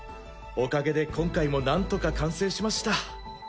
おかげで今回もなんとか完成しました。